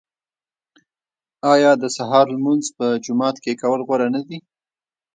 آیا د سهار لمونځ په جومات کې کول غوره نه دي؟